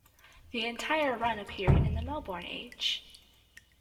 The entire run appeared in the "Melbourne Age".